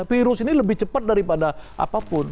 virus ini lebih cepat daripada apapun